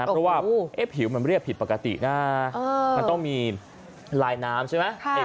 เพราะว่าผิวมันเรียบผิดปกตินะมันต้องมีลายน้ำใช่ไหม